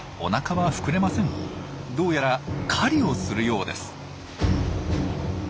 どうやら狩りをするようです。